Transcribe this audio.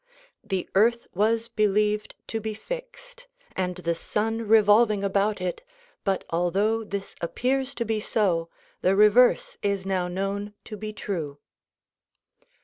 The earth was believed to be fixed and the sun re volving about it but although this appears to be so, the reverse is now known to be true.